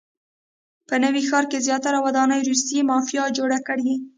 په نوي ښار کې زیاتره ودانۍ روسیې مافیا جوړې کړي.